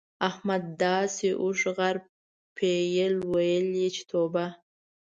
احمد داسې اوښ، غر، پيل؛ ويل چې توبه!